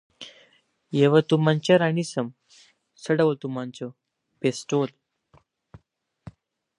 یوه تومانچه را نیسم، څه ډول تومانچه؟ پېسټول.